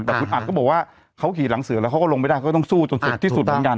แต่คุณอัดก็บอกว่าเขาขี่หลังเสือแล้วเขาก็ลงไม่ได้ก็ต้องสู้จนสุดที่สุดเหมือนกัน